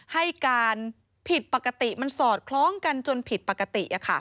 ให้การผิดปกติมันสอดคล้องกันจนผิดปกติ